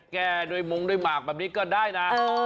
แก้ด้วยมงด้วยหมากแบบนี้ก็ได้นะ